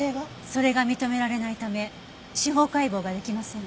それが認められないため司法解剖が出来ません。